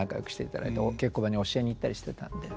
お稽古場に教えに行ったりしてたんで。